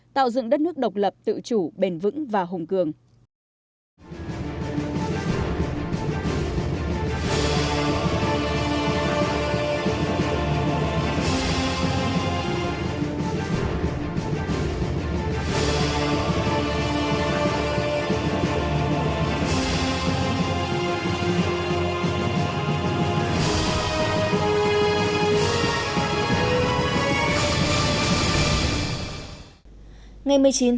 tạo dựng đất nước độc lập tự chủ bền vững và hùng cường